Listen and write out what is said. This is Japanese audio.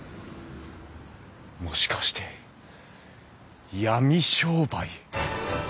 もしかして闇商売。